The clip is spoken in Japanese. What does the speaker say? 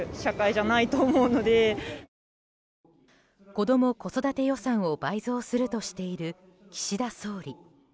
子ども・子育て予算を倍増するとしている岸田総理。